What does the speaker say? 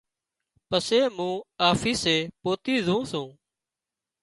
پسي مُون آفيسي پوتِي زُون سُون۔